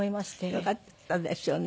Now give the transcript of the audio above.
よかったですよね。